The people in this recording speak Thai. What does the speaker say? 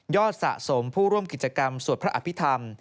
สะสมผู้ร่วมกิจกรรมสวดพระอภิษฐรรม